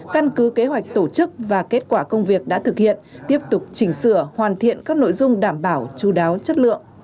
căn cứ kế hoạch tổ chức và kết quả công việc đã thực hiện tiếp tục chỉnh sửa hoàn thiện các nội dung đảm bảo chú đáo chất lượng